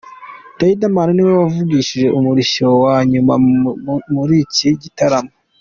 Riderman niwe wavugije umurishyo wa nyuma muri iki gitaramo.